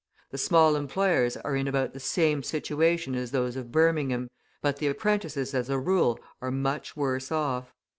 The small employers are in about the same situation as those of Birmingham; but the apprentices, as a rule, are much worse off.